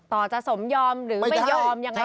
จะสมยอมหรือไม่ยอมยังไง